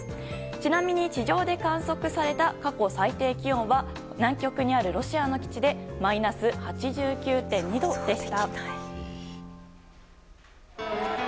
ちなみに、地上で観測された過去最低気温は南極にあるロシアの基地でマイナス８９．２度でした。